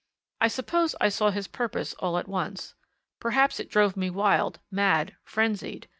I suppose I saw his purpose all at once. Perhaps it drove me wild, mad, frenzied.